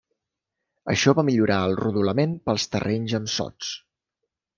Això va millorar el rodolament pels terrenys amb sots.